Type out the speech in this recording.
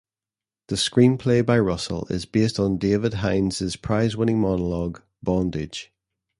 The screenplay by Russell is based on David Hines' prize-winning monologue, "Bondage".